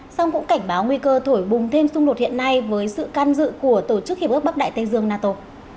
song cũng cảnh báo nguy cơ thổi bùng thêm xung đột hiện nay với sự can dự của tổ chức hiệp ước bắc đại tây dương nato